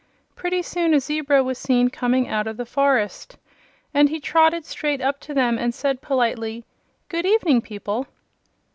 Pretty soon a zebra was seen coming out of the forest, and he trotted straight up to them and said politely: "Good evening, people."